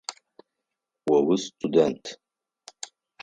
О устудэнт.